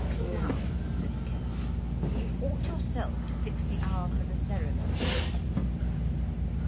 "Now," said the chemist, "you ought yourself to fix the hour for the ceremony."